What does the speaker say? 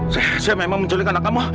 saya siap memang menculik anak kamu